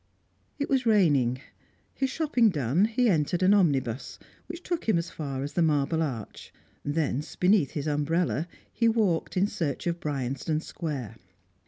It was raining. His shopping done, he entered an omnibus, which took him as far as the Marble Arch; thence, beneath his umbrella, he walked in search of Bryanston Square.